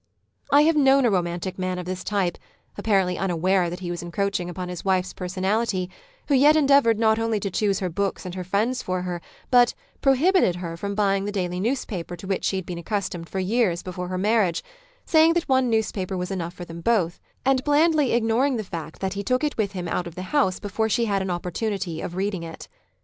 I have known a romantic man of this type, apparently unaware that he was encroaching upon his wife's personality, who yet endeavoured not only to choose her books and her friends for her, but " pro hibited " her from buying the daily newspaper to which she had been accustomed for years before her marriage, saying that one newspaper was enough for them both, and blandly ignoring the fact that he took it with him out of the house before she had an oppor tunity of reading it.